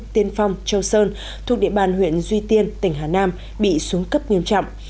tiên phong châu sơn thuộc địa bàn huyện duy tiên tỉnh hà nam bị xuống cấp nghiêm trọng